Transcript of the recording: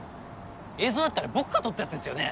映像だってあれ僕が撮ったやつですよね？